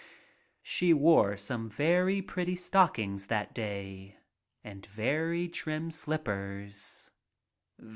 She wore some very pretty stockings that day and very trim slippers.